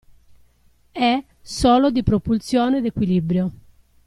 È "solo" di propulsione ed equilibrio.